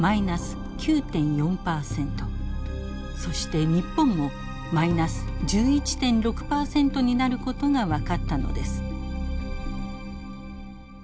そして日本もマイナス１１．６％になることが分かったのです。